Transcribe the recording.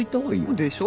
でしょ？